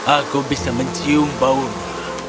aku bisa mencium baunya